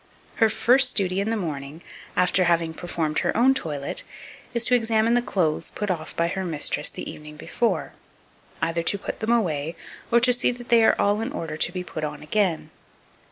Her first duty in the morning, after having performed her own toilet, is to examine the clothes put off by her mistress the evening before, either to put them away, or to see that they are all in order to put on again.